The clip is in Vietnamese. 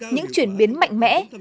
những chuyển biến mạnh mẽ